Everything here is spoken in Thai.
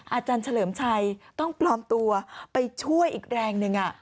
อาจารย์เฉลิมชัยต้องปลอมตัวไปช่วยอีกแรงหนึ่ง